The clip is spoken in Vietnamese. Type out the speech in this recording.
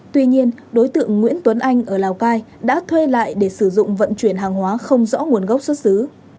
tuy nhiên đối tượng nguyễn tuấn anh ở lào cai đã thuê lại để sử dụng vận chuyển hàng hóa không rõ nguồn gốc xuất xứ